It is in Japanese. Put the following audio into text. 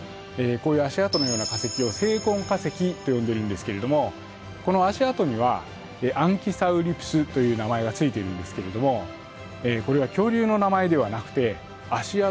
こういう足跡のような化石を「生痕化石」と呼んでいるんですけれどもこの足跡にはアンキサウリプスという名前が付いているんですけれどもこれは恐竜の名前ではなくて足跡